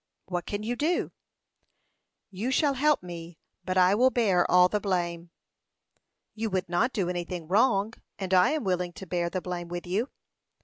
"What can you do?" "You shall help me, but I will bear all the blame." "You would not do anything wrong, and I am willing to bear the blame with you."